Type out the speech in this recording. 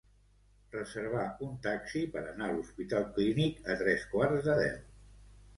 Reservar un taxi per anar a l'Hospital Clínic a tres quarts de deu.